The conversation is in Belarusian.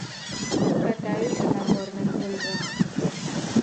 Катаюся на горных лыжах.